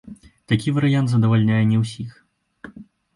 Такі варыянт задавальняе не ўсіх.